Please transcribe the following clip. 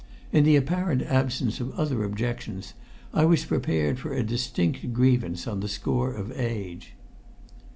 In the apparent absence of other objections, I was prepared for a distinct grievance on the score of age.